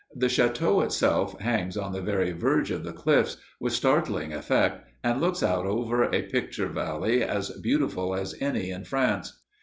The château itself hangs on the very verge of the cliffs, with starling effect, and looks out over a picture valley as beautiful as any in France.